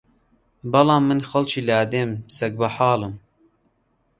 بەڵام من خەڵکی لادێم سەگ بەحاڵم